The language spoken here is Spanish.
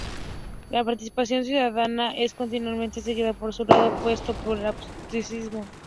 La participación ciudadana es continuamente seguida por su lado opuesto, que es el abstencionismo.